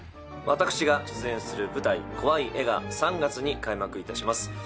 私が出演する舞台『怖い絵』が３月に開幕いたします。